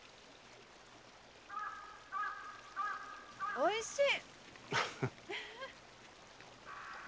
おいしい！